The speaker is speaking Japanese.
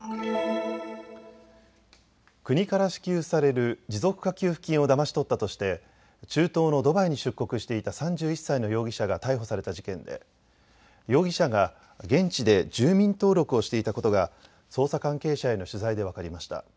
国から支給される持続化給付金をだまし取ったとして中東のドバイに出国していた３１歳の容疑者が逮捕された事件で容疑者が現地で住民登録をしていたことが捜査関係者への取材で分かりました。